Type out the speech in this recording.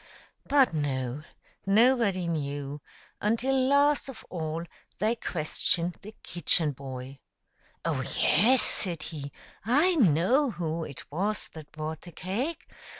But no ; nobody knew, until last of all they questioned the kitchen boy. " Oh, yes," said he, " I know who it was that brought the cake.